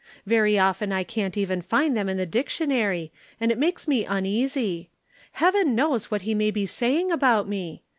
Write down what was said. Very often I can't even find them in the dictionary and it makes me uneasy. Heaven knows what he may be saying about me!